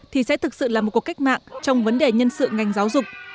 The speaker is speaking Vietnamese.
thì sẽ thực sự là một cuộc cách mạng trong vấn đề nhân sự ngành giáo dục